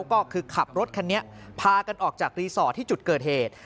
ก็คือขับรถคันนี้พากันออกจากรีสอร์ทที่จุดเกิดเหตุ